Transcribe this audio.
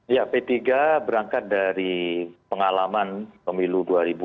ya p tiga berangkat dari pengalaman pemilu dua ribu dua puluh